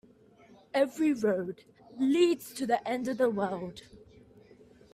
Every road leads to the end of the world.